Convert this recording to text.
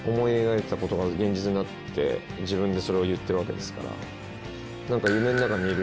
自分でそれを言ってるわけですから。